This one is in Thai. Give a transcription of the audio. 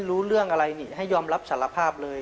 รู้เรื่องอะไรนี่ให้ยอมรับสารภาพเลย